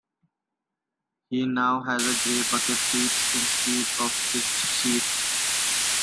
He now has gray bucket seats instead of stitched seats.